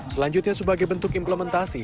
selanjutnya sebagai bentuk implementasi